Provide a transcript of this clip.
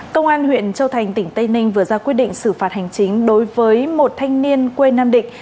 công an huyện châu thành tỉnh tây ninh vừa ra quyết định xử phạt hành chính đối với một thanh niên quê nam định